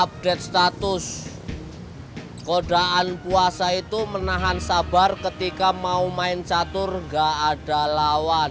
update status godaan puasa itu menahan sabar ketika mau main catur gak ada lawan